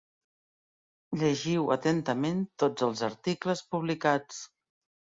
Llegiu atentament tots els articles publicats.